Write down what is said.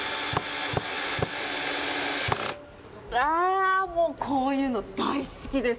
わー、もうこういうの、大好きです。